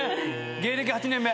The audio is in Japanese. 芸歴８年目。